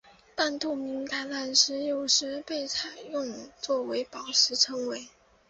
半透明橄榄石有时被用来作为宝石称为。